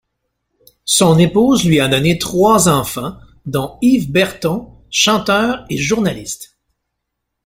Son épouse lui a donné trois enfants, dont Yves Berton, chanteur et journaliste.